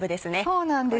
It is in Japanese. そうなんですよ。